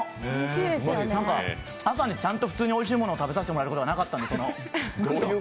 朝にちゃんと普通においしいものを食べさせてもらうことがなかったんで。